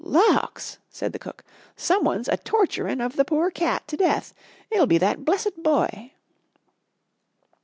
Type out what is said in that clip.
"Lawks!" said the cook, "someone's atorchurin' of the poor cat to death. It'll be that blessed boy."